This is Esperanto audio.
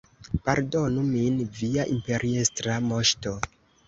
Pardonu min, Via Imperiestra Moŝto!